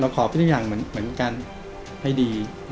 ขอทุกอย่างเหมือนกันให้ดี